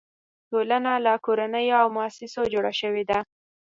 ټولنه له کورنیو او مؤسسو جوړه شوې ده.